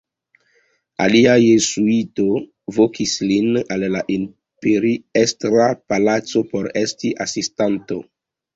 Alia jezuito vokis lin al la imperiestra palaco por esti asistanto.